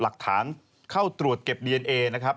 หลักฐานเข้าตรวจเก็บดีเอนเอนะครับ